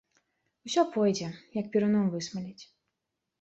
Усё пойдзе, як перуном высмаліць.